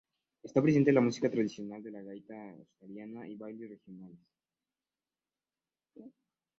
Esta presente la música tradicional de la gaita asturiana y bailes regionales.